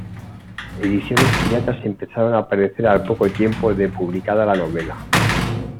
Ediciones piratas empezaron a aparecer al poco tiempo de publicada la novela.